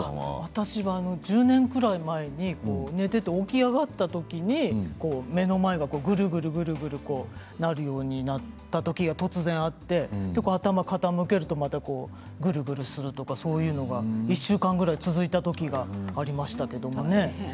私は１０年くらい前に寝てて起き上がった時にこう目の前がグルグルグルグルこうなるようになった時が突然あって頭傾けるとまたこうグルグルするとかそういうのが１週間ぐらい続いた時がありましたけどもね。